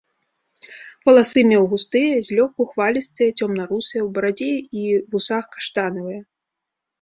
Валасы меў густыя, злёгку хвалістыя, цёмна-русыя, у барадзе і вусах каштанавыя.